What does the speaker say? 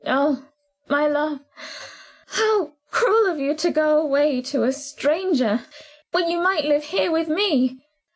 Oh, my love, how cruel of you to go away to a stranger, when you might live here with me!"